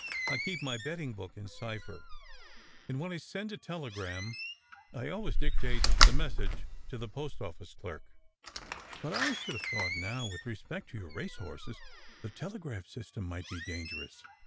I keej) my betting book in cipher; and when I send a telegram, I always dictate the message to the post office clerk." " But I should have thought now, with respect to your race horses, the telegraph system might be dangerous.